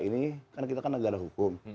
ini kan kita kan negara hukum